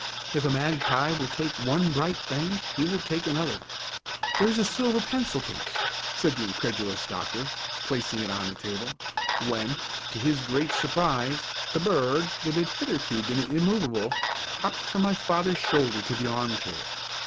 If a magpie will take one bright thing he will take another. There is a silver pencil case," said the incredulous doctor, placing it on the table, when, to his great surprise, the bird, that had hitherto been immovable, hopped from my father's shoulder to the armchair.